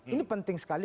ini penting sekali